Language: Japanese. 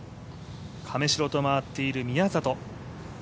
亀代と回っている宮里。